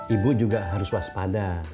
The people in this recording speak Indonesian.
ibu juga harus waspada